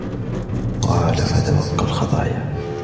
قَالَ فَتَوَقَّ الْخَطَايَا